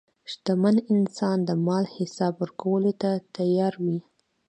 شتمن انسان د مال حساب ورکولو ته تیار وي.